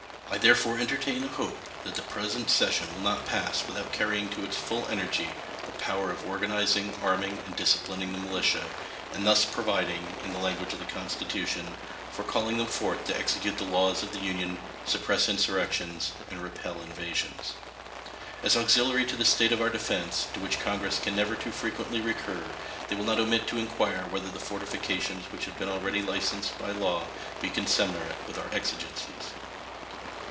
I therefore entertain a hope that the present session will not pass without carrying to its full energy the power of organizing, arming, and disciplining the militia, and thus providing, in the language of the Constitution, for calling them forth to execute the laws of the Union, suppress insurrections, and repel invasions. As auxiliary to the state of our defense, to which Congress can never too frequently recur, they will not omit to inquire whether the fortifications which have been already licensed by law be commensurate with our exigencies.